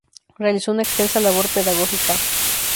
Realizó una extensa labor pedagógica.